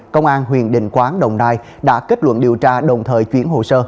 công an huyện đình quán đồng nai đã kết luận điều tra đồng thời chuyển hồ sơ